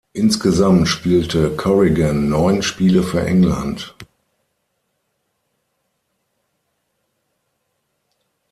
Insgesamt spielte Corrigan neun Spiele für England.